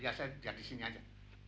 iya sepeda biasa di sini saja